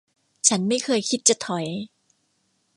ฉันไม่เคยคิดจะถอย